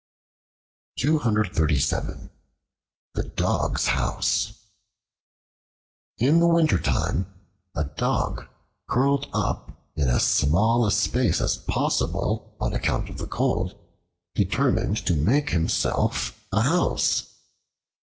The Dog's House IN THE WINTERTIME, a Dog curled up in as small a space as possible on account of the cold, determined to make himself a house.